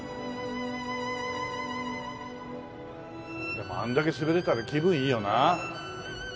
でもあんだけ滑れたら気分いいよな。